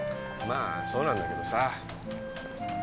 まあそうなんだけどさ。